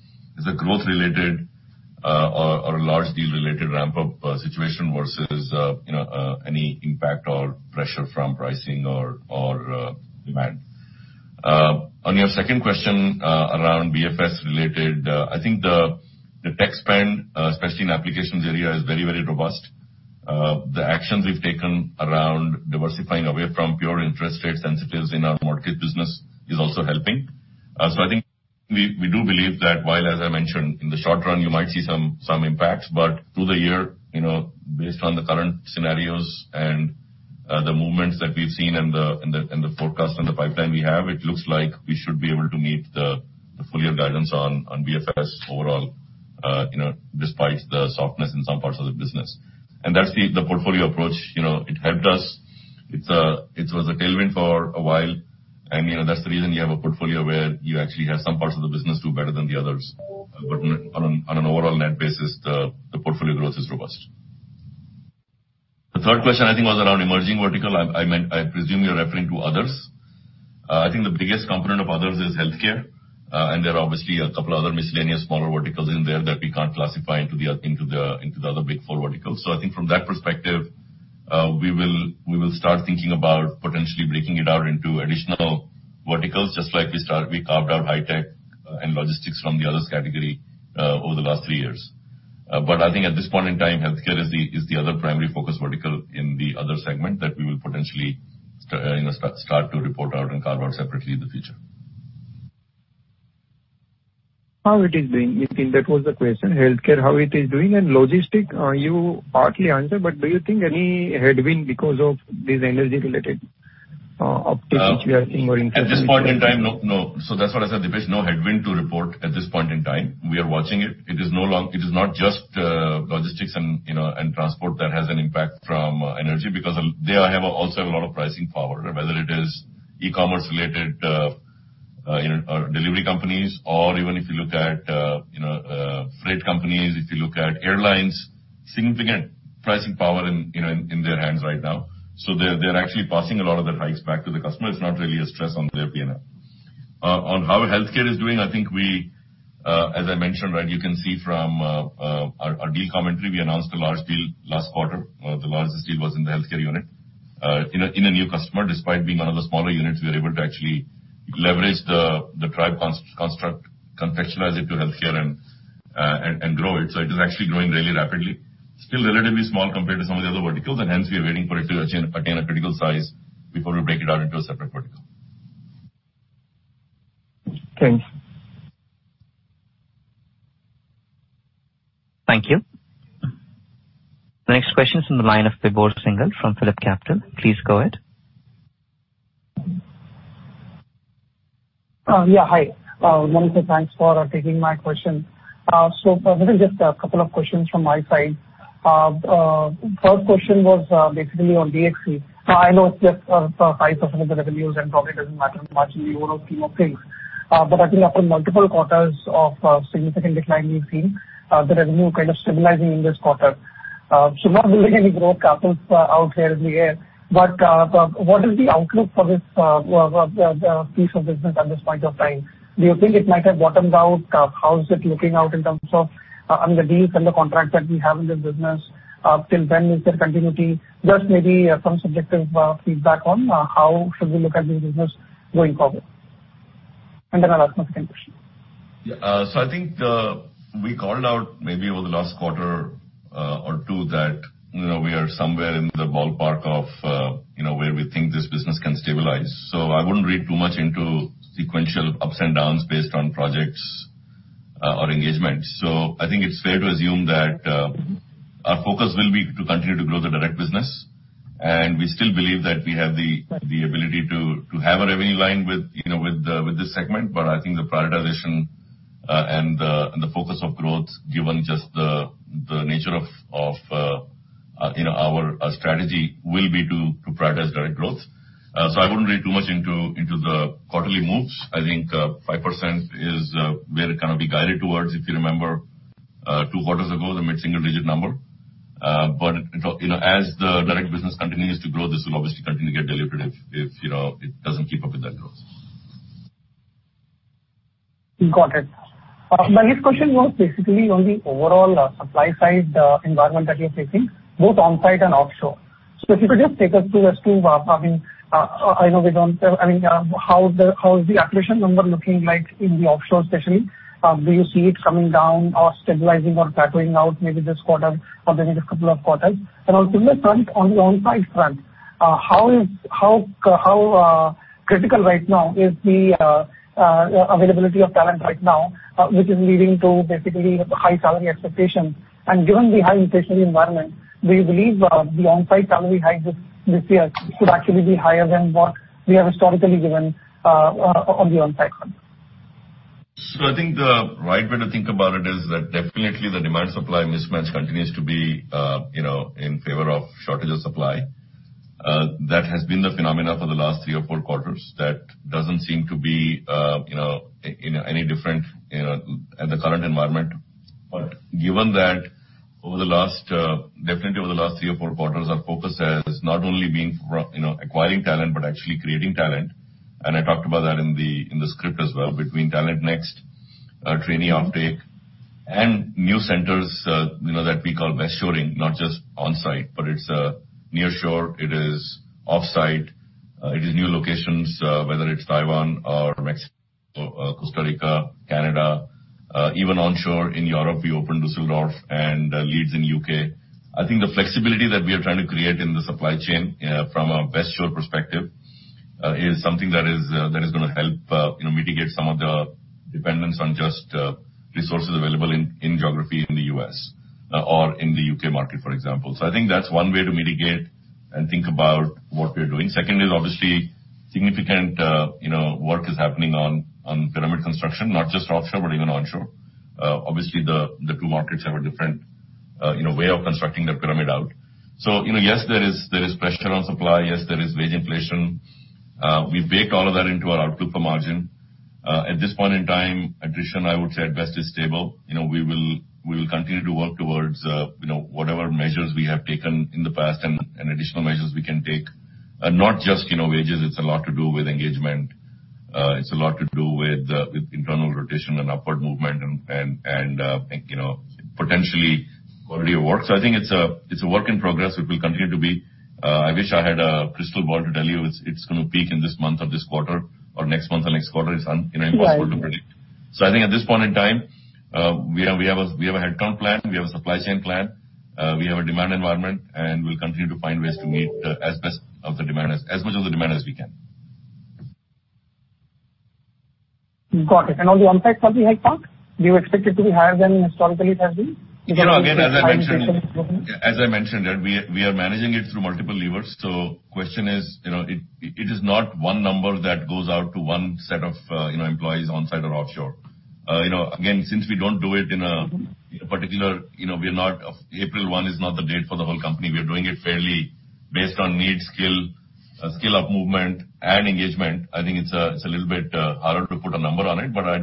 growth related or large deal related ramp up situation versus, you know, any impact or pressure from pricing or demand. On your second question, around BFS related, I think the tech spend, especially in applications area is very robust. The actions we've taken around diversifying away from pure interest rate sensitives in our market business is also helping. I think we do believe that while as I mentioned in the short run you might see some impacts, but through the year, you know, based on the current scenarios and the movements that we've seen in the forecast and the pipeline we have, it looks like we should be able to meet the full year guidance on BFS overall, you know, despite the softness in some parts of the business. That's the portfolio approach. You know, it helped us. It was a tailwind for a while. You know, that's the reason you have a portfolio where you actually have some parts of the business do better than the others. On an overall net basis, the portfolio growth is robust. The third question I think was around emerging vertical. I meant, I presume you're referring to others. I think the biggest component of others is Healthcare. There are obviously a couple other miscellaneous smaller verticals in there that we can't classify into the other big four verticals. I think from that perspective, we will start thinking about potentially breaking it out into additional verticals just like we carved out Hi-Tech and Logistics from the others category over the last three years. I think at this point in time, healthcare is the other primary focus vertical in the other segment that we will potentially, you know, start to report out and carve out separately in the future. How it is doing? I think that was the question. Healthcare, how it is doing? Logistics, you partly answered, but do you think any headwind because of this energy related uptick which we are seeing or increase- At this point in time, no. That's what I said, Dipesh. No headwind to report at this point in time. We are watching it. It is not just logistics and, you know, and transport that has an impact from energy because they also have a lot of pricing power, whether it is e-commerce related, you know, or delivery companies or even if you look at, you know, freight companies, if you look at airlines, significant pricing power in, you know, in their hands right now. They're actually passing a lot of the hikes back to the customer. It's not really a stress on their P&L. On how healthcare is doing, I think, as I mentioned, right, you can see from our deal commentary, we announced a large deal last quarter. The largest deal was in the healthcare unit. In a new customer, despite being one of the smaller units, we were able to actually leverage the Tribes construct, contextualize it to healthcare and grow it. It is actually growing really rapidly. Still relatively small compared to some of the other verticals, and hence we are waiting for it to attain a critical size before we break it out into a separate vertical. Thanks. Thank you. The next question is from the line of Vibhor Singhal from PhillipCapital. Please go ahead. Yeah, hi. Once again thanks for taking my question. This is just a couple of questions from my side. First question was basically on DXC. I know it's just 5% of the revenues and probably doesn't matter much in the overall scheme of things, but I think after multiple quarters of significant decline we've seen, the revenue kind of stabilizing in this quarter. Not really any growth, castles in the air, but what is the outlook for this piece of business at this point of time? Do you think it might have bottomed out? How is it looking out in terms of on the deals and the contracts that we have in this business? Till when is there continuity? Just maybe some subjective feedback on how should we look at this business going forward. I'll ask my second question. Yeah. I think we called out maybe over the last quarter, or two that, you know, we are somewhere in the ballpark of, you know, where we think this business can stabilize. I wouldn't read too much into sequential ups and downs based on projects, or engagement. I think it's fair to assume that our focus will be to continue to grow the direct business, and we still believe that we have the ability to have a revenue line with, you know, with this segment. I think the prioritization and the focus of growth, given just the nature of, you know, our strategy will be to prioritize direct growth. I wouldn't read too much into the quarterly moves. I think 5% is where it kinda be guided towards. If you remember, two quarters ago, they made single-digit number. You know, as the direct business continues to grow, this will obviously continue to get diluted if you know, it doesn't keep up with that growth. Got it. My next question was basically on the overall supply side environment that you're facing, both on-site and offshore. If you could just take us through, I mean, how is the attrition number looking like in the offshore especially? Do you see it coming down or stabilizing or plateauing out maybe this quarter or maybe this couple of quarters? On similar front, on the on-site front, how critical right now is the availability of talent right now, which is leading to basically high salary expectations. Given the high inflation environment, do you believe the on-site salary hike this year could actually be higher than what we have historically given on the on-site front? I think the right way to think about it is that definitely the demand supply mismatch continues to be, you know, in favor of shortage of supply. That has been the phenomenon for the last three or four quarters. That doesn't seem to be, you know, any different, you know, at the current environment. But given that over the last, definitely over the last three or four quarters, our focus has not only been, you know, acquiring talent, but actually creating talent, and I talked about that in the script as well, between TalentNext, trainee uptake, and new centers, you know, that we call westshoring, not just on-site, but it's nearshore, it is offshore, it is new locations, whether it's Taiwan or Mexico, Costa Rica, Canada. Even onshore in Europe, we opened Düsseldorf and Leeds in U.K. I think the flexibility that we are trying to create in the supply chain, from a west shore perspective, is something that is gonna help, you know, mitigate some of the dependence on just, resources available in geographies in the U.S. or in the U.K. market, for example. I think that's one way to mitigate and think about what we're doing. Second is obviously significant, you know, work is happening on pyramid construction, not just offshore but even onshore. Obviously the two markets have a different, you know, way of constructing their pyramid out. You know, yes, there is pressure on supply. Yes, there is wage inflation. We bake all of that into our outlook for margin. At this point in time, attrition, I would say at best is stable. You know, we will continue to work towards, you know, whatever measures we have taken in the past and additional measures we can take. Not just, you know, wages. It's a lot to do with engagement, it's a lot to do with with internal rotation and upward movement and, you know, potentially quality of work. I think it's a work in progress. It will continue to be. I wish I had a crystal ball to tell you it's gonna peak in this month or this quarter or next month or next quarter. It's you know, impossible to predict. Right. I think at this point in time, we have a headcount plan, we have a supply chain plan, we have a demand environment, and we'll continue to find ways to meet as much of the demand as we can. Got it. On the on-site salary hike front, do you expect it to be higher than historically it has been? You know, again, as I mentioned, we are managing it through multiple levers. Question is, you know, it is not one number that goes out to one set of employees on-site or offshore. You know, again, since we don't do it in a particular, you know, April one is not the date for the whole company. We are doing it fairly based on need, skill up movement and engagement. I think it's a little bit harder to put a number on it, but I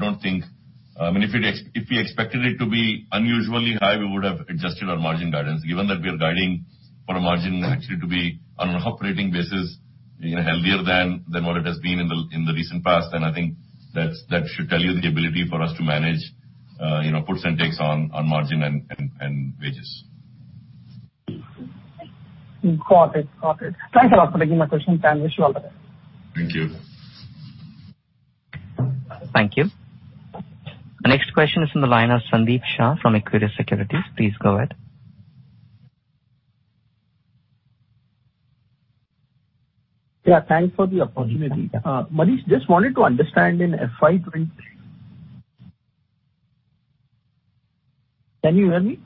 mean, if we expected it to be unusually high, we would have adjusted our margin guidance. Given that we are guiding for a margin actually to be on an operating basis, you know, healthier than what it has been in the recent past, then I think that should tell you the ability for us to manage, you know, puts and takes on margin and wages. Got it. Thanks a lot for taking my questions. Wish you all the best. Thank you. Thank you. The next question is from the line of Sandeep Shah from Equirus Securities. Please go ahead. Yeah, thanks for the opportunity. Manish, just wanted to understand in FY 2020. Can you hear me?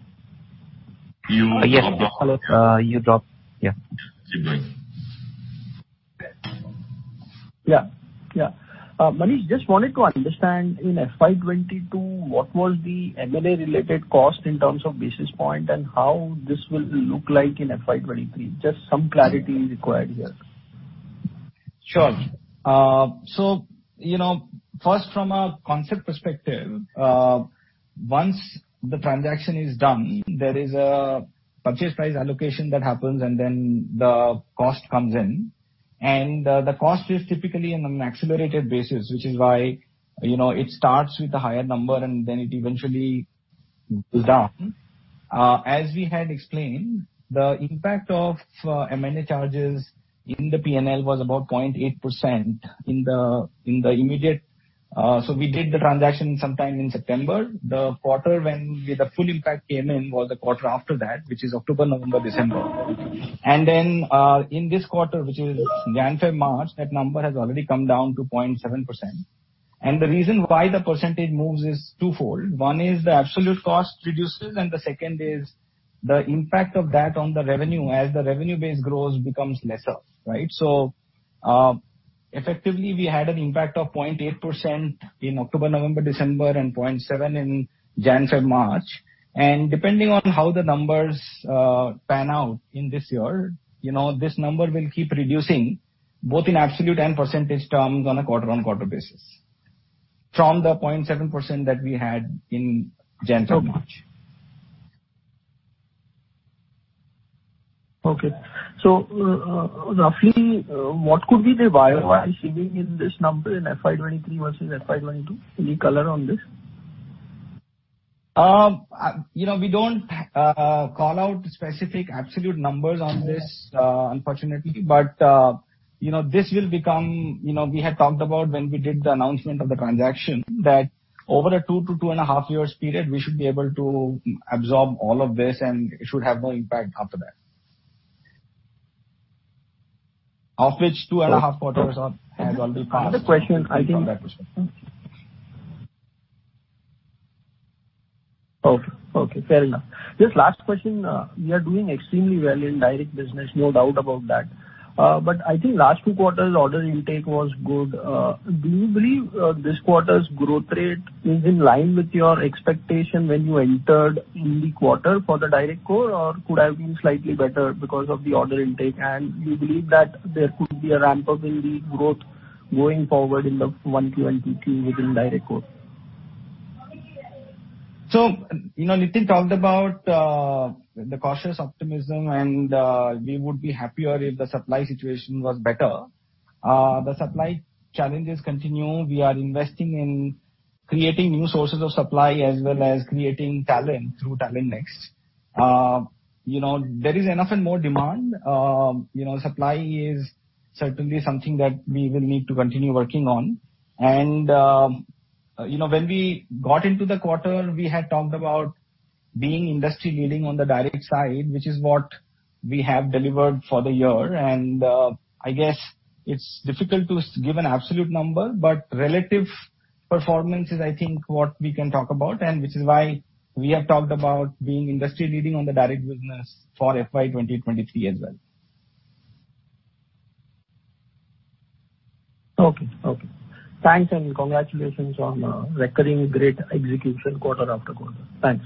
You dropped off. Yes. Hello. You dropped. Yeah. Keep going. Yeah. Manish, just wanted to understand in FY 2022, what was the M&A related cost in terms of basis point and how this will look like in FY 2023? Just some clarity is required here. Sure. You know, first from a concept perspective, once the transaction is done, there is a purchase price allocation that happens and then the cost comes in. The cost is typically on an accelerated basis, which is why, you know, it starts with a higher number and then it eventually goes down. As we had explained, the impact of M&A charges in the P&L was about 0.8% in the immediate. We did the transaction sometime in September. The quarter when the full impact came in was the quarter after that, which is October, November, December. In this quarter, which is January, March, that number has already come down to 0.7%. The reason why the percentage moves is twofold. One is the absolute cost reduces, and the second is the impact of that on the revenue as the revenue base grows becomes lesser, right? Effectively, we had an impact of 0.8% in October, November, December, and 0.7% in January, February, March. Depending on how the numbers pan out in this year, you know, this number will keep reducing both in absolute and percentage terms on a quarter-on-quarter basis from the 0.7% that we had in January through March. Okay. Roughly, what could be the visibility sitting in this number in FY 2023 versus FY 2022? Any color on this? You know, we don't call out specific absolute numbers on this, unfortunately. You know, this will become. You know, we had talked about when we did the announcement of the transaction that over a 2-2.5 years period, we should be able to absorb all of this, and it should have no impact after that. Of which 2.5 quarters has already passed. Another question, I think. From that perspective. Okay. Okay, fair enough. Just last question. You are doing extremely well in direct business. No doubt about that. I think last two quarters order intake was good. Do you believe this quarter's growth rate is in line with your expectation when you entered in the quarter for the direct core or could have been slightly better because of the order intake? And do you believe that there could be a ramp up in the growth going forward in the 1Q and 2Q within direct core? You know, Nitin talked about the cautious optimism and we would be happier if the supply situation was better. The supply challenges continue. We are investing in creating new sources of supply as well as creating talent through TalentNext. You know, there is enough and more demand. You know, supply is certainly something that we will need to continue working on. You know, when we got into the quarter, we had talked about being industry leading on the direct side, which is what we have delivered for the year. I guess it's difficult to give an absolute number, but relative performance is, I think, what we can talk about, and which is why we have talked about being industry leading on the direct business for FY 2023 as well. Okay. Thanks and congratulations on recurring great execution quarter after quarter. Thanks.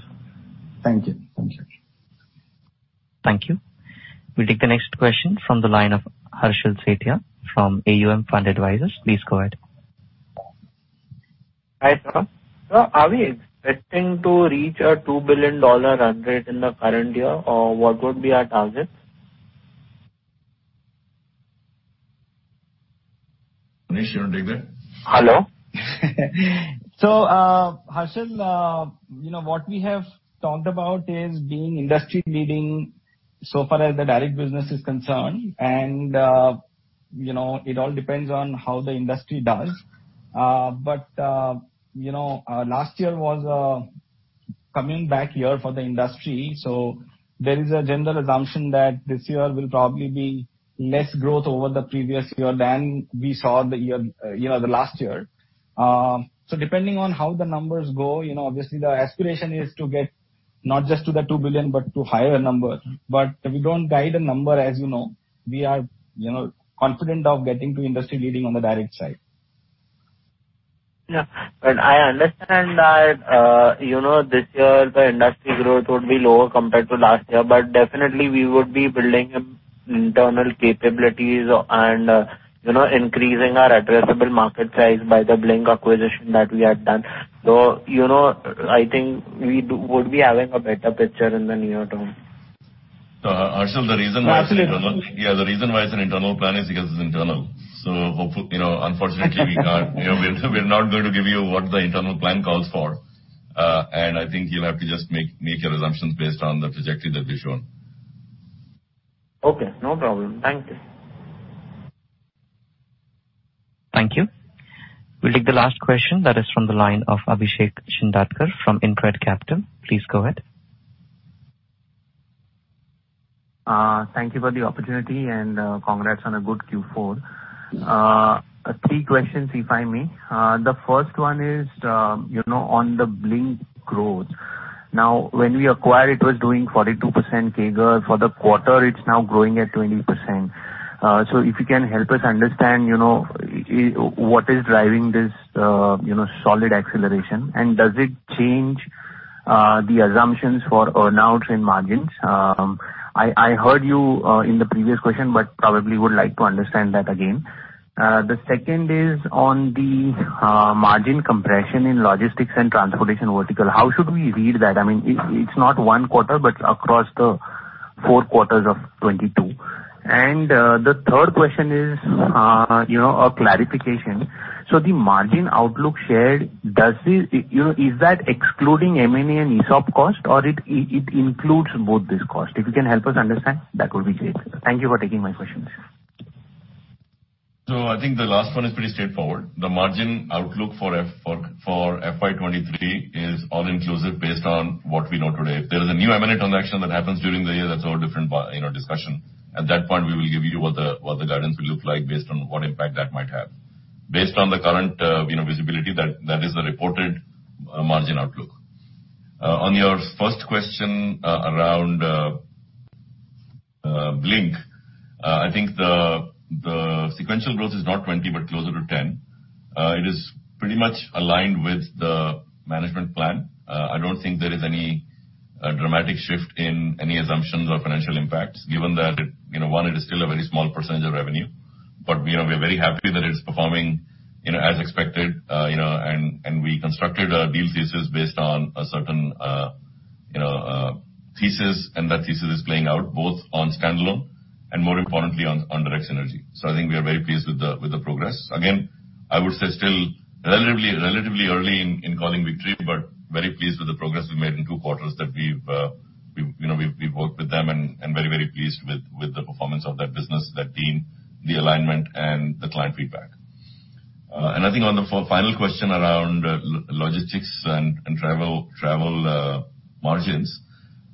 Thank you. Thanks, Sandeep Shah. Thank you. We'll take the next question from the line of Harshil Sheth from AUM Fund Advisors. Please go ahead. Hi, sir. Sir, are we expecting to reach our $2 billion run rate in the current year or what would be our target? Nishant, you wanna take that? Hello. Harshil, you know, what we have talked about is being industry leading so far as the direct business is concerned and, you know, it all depends on how the industry does. You know, last year was a coming back year for the industry, so there is a general assumption that this year will probably be less growth over the previous year than we saw the year, you know, the last year. Depending on how the numbers go, you know, obviously the aspiration is to get not just to the $2 billion, but to higher number. We don't guide a number as you know. We are, you know, confident of getting to industry leading on the direct side. I understand that, you know, this year the industry growth would be lower compared to last year, but definitely we would be building internal capabilities and, you know, increasing our addressable market size by the Blink acquisition that we had done. You know, I think we would be having a better picture in the near term. Harshil, the reason why it's an internal Absolutely. Yeah, the reason why it's an internal plan is because it's internal. You know, unfortunately, we can't. You know, we're not going to give you what the internal plan calls for. I think you'll have to just make your assumptions based on the trajectory that we've shown. Okay, no problem. Thank you. Thank you. We'll take the last question. That is from the line of Abhishek Shindadkar from InCred Capital. Please go ahead. Thank you for the opportunity and congrats on a good Q4. 3 questions if I may. The first one is, you know, on the Blink growth. Now, when we acquired it was doing 42% CAGR. For the quarter, it's now growing at 20%. So if you can help us understand, you know, what is driving this, you know, solid acceleration. And does it change the assumptions for earn-out in margins? I heard you in the previous question, but probably would like to understand that again. The second is on the margin compression in logistics and transportation vertical. How should we read that? I mean, it's not 1 quarter, but across the 4 quarters of 2022. The third question is, you know, a clarification. The margin outlook shared, does it? You know, is that excluding M&A and ESOP cost or it includes both these costs? If you can help us understand, that would be great. Thank you for taking my questions. I think the last one is pretty straightforward. The margin outlook for FY 2023 is all-inclusive based on what we know today. If there is a new M&A transaction that happens during the year, that's a whole different, you know, discussion. At that point, we will give you what the guidance will look like based on what impact that might have. Based on the current, you know, visibility that is the reported margin outlook. On your first question, around Blink, I think the sequential growth is not 20% but closer to 10%. It is pretty much aligned with the management plan. I don't think there is any dramatic shift in any assumptions or financial impacts given that it, you know, one, it is still a very small percentage of revenue. But, you know, we're very happy that it's performing, you know, as expected, you know, and we constructed our deal thesis based on a certain, you know, thesis, and that thesis is playing out both on standalone and more importantly on direct synergy. I think we are very pleased with the progress. Again, I would say still relatively early in calling victory, but very pleased with the progress we've made in two quarters that we've worked with them and very pleased with the performance of that business, that team, the alignment and the client feedback. I think on the final question around logistics and travel margins,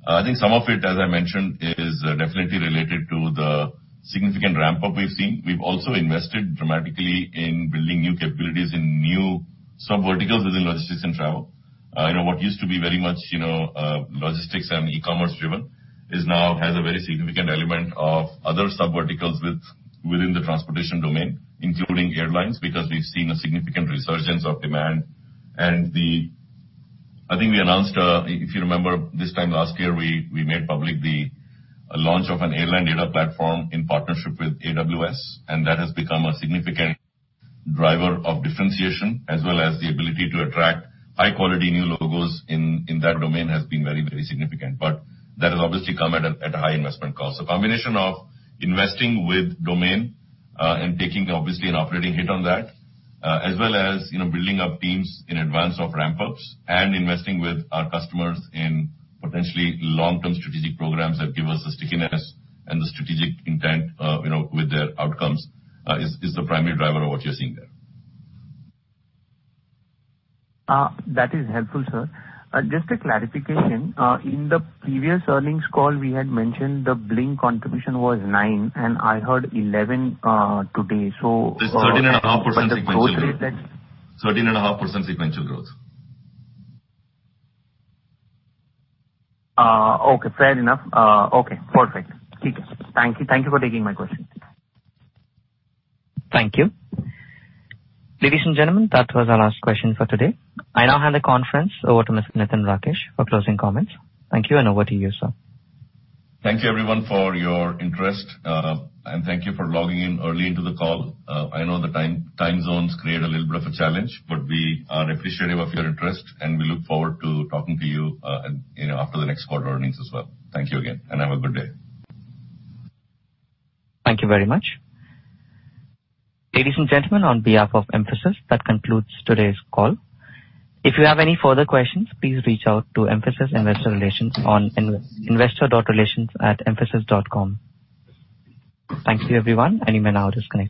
I think some of it, as I mentioned, is definitely related to the significant ramp-up we've seen. We've also invested dramatically in building new capabilities in new subverticals within logistics and travel. What used to be very much logistics and e-commerce driven is now has a very significant element of other subverticals within the transportation domain, including airlines, because we've seen a significant resurgence of demand. I think we announced, if you remember this time last year, we made public the launch of an airline data platform in partnership with AWS, and that has become a significant driver of differentiation as well as the ability to attract high-quality new logos in that domain has been very significant. But that has obviously come at a high investment cost. The combination of investing with domain and taking obviously an operating hit on that, as well as, you know, building up teams in advance of ramp-ups and investing with our customers in potentially long-term strategic programs that give us the stickiness and the strategic intent, you know, with their outcomes, is the primary driver of what you're seeing there. That is helpful, sir. Just a clarification. In the previous earnings call we had mentioned the Blink contribution was $9, and I heard $11 today. It's 13.5% sequential growth. The growth rate that. 13.5% sequential growth. Okay. Fair enough. Okay. Perfect. Thank you. Thank you for taking my question. Thank you. Ladies and gentlemen, that was our last question for today. I now hand the conference over to Mr. Nitin Rakesh for closing comments. Thank you, and over to you, sir. Thank you everyone for your interest. Thank you for logging in early into the call. I know the time zones create a little bit of a challenge, but we are appreciative of your interest, and we look forward to talking to you know, after the next quarter earnings as well. Thank you again, and have a good day. Thank you very much. Ladies and gentlemen, on behalf of Mphasis, that concludes today's call. If you have any further questions, please reach out to Mphasis Investor Relations on investor.relations@mphasis.com. Thank you, everyone. You may now disconnect.